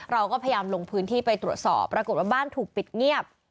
เราก็พยายามลงพื้นที่ไปตรวจสอบปรากฏว่าบ้านถูกปิดเงียบ